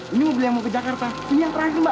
ini mobil yang mau ke jakarta ini yang terakhir mbak